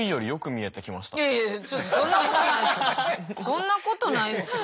そんなことないですよ。